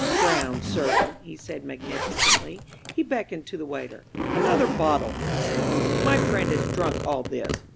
"Drown, serpent," he said magnificently. He beckoned to the waiter. "Another bottle," he said. "My friend has drunk all this."